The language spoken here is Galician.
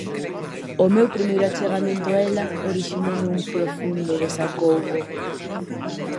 O meu primeiro achegamento a ela orixinoume un profundo desacougo.